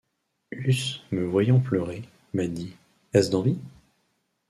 Huss, me voyant pleurer, m’a dit : Est-ce d’envie ?